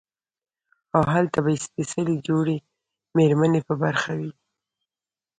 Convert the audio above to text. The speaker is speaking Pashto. او هلته به ئې سپېڅلې جوړې ميرمنې په برخه وي